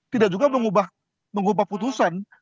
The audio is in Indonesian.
tidak juga mengubah putusan